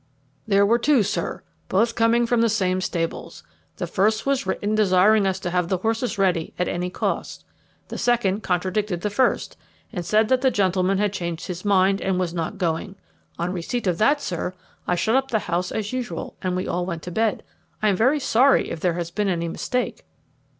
"There were two, sir, both coming from the same stables. The first was written desiring us to have the horses ready at any cost. The second contradicted the first, and said that the gentleman had changed his mind, and was not going. On receipt of that, sir, I shut up the house as usual, and we all went to bed. I am very sorry if there has been any mistake."